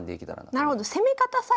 なるほど。